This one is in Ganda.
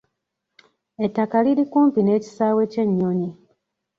Ettaka liri kumpi n'ekisaawe ky'ennyonyi.